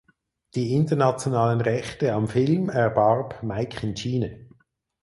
Die internationalen Rechte am Film erwarb Meikincine.